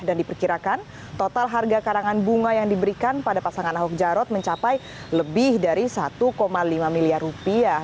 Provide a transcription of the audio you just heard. dan diperkirakan total harga karangan bunga yang diberikan pada pasangan ahok jorod mencapai lebih dari satu lima miliar rupiah